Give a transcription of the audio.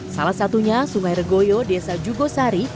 salah satunya sungai regoyo desa jugosari